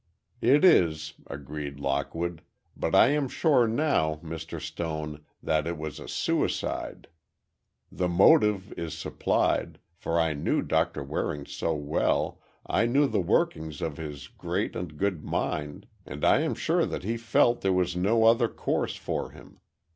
"It is," agreed Lockwood, "but I am sure now, Mr. Stone, that it was a suicide. The motive is supplied, for I knew Doctor Waring so well, I knew the workings of his great and good mind, and I am sure that he felt there was no other course for him.